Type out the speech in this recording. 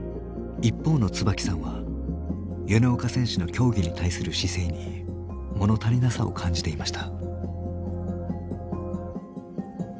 一方の椿さんは米岡選手の競技に対する姿勢に物足りなさを感じていました。